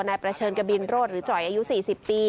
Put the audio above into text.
นายประเชิญกบินโรดหรือจ่อยอายุ๔๐ปี